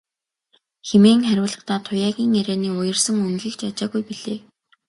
хэмээн хариулахдаа Туяагийн ярианы уярсан өнгийг ч ажаагүй билээ.